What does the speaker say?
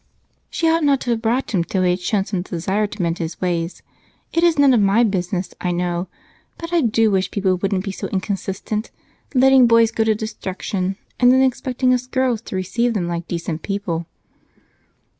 "She ought not to have brought him till he had shown some desire to mend his ways. It is none of my business, I know, but I do wish people wouldn't be so inconsistent, letting boys go to destruction and then expecting us girls to receive them like decent people."